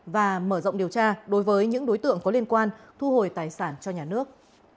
và mở rộng điều tra đối với những đối tượng có liên quan thu hồi tài sản cho nhà nước